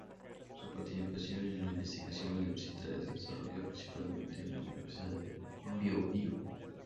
Su participación en gestión universitaria se desarrolla principalmente en la Universidad del Bío-Bío.